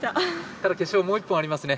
ただ、決勝もう１本ありますね。